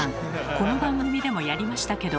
この番組でもやりましたけど。